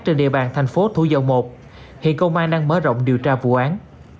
trên địa bàn thành phố thú dâu i hiện công an đang mở rộng điều tra vụ án